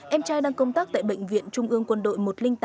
em trai đang công tác tại bệnh viện trung ương quân đội một trăm linh tám